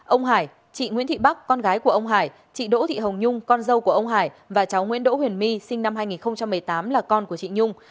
ông hải chị nguyễn thị bắc con gái của ông hải chị đỗ thị hồng nhung con dâu của ông hải và cháu nguyễn đỗ huyền my sinh năm hai nghìn một mươi tám là con của chị nhung